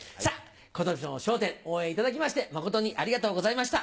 今年も『笑点』応援いただきまして誠にありがとうございました。